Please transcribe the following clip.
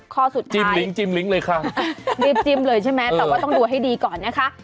สุดท้ายจิ้มลิ้งจิ้มลิ้งเลยค่ะรีบจิ้มเลยใช่ไหมแต่ว่าต้องดูให้ดีก่อนนะคะ